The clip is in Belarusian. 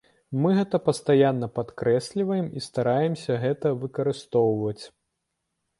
Мы гэта пастаянна падкрэсліваем і стараемся гэта выкарыстоўваць.